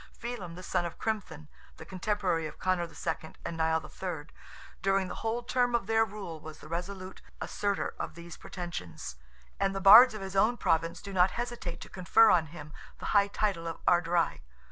Felim, the son of Crimthan, the contemporary of Conor II. and Nial III., during the whole term of their rule, was the resolute assertor of these pretensions, and the Bards of his own Province do not hesitate to confer on him the high title of Ard Righ.